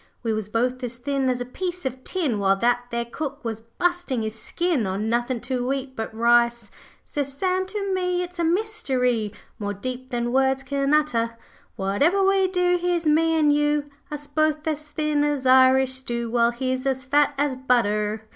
We was both as thin as a piece of tin While that there cook was busting his skin On nothin' to eat but ice. 'Says Sam to me, "It's a mystery More deep than words can utter; Whatever we do, here's me an' you, Us both as thin as Irish stoo, While he's as fat as butter."